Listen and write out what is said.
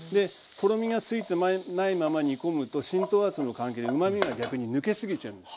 とろみがついてないまま煮込むと浸透圧の関係でうまみが逆に抜けすぎちゃうんです。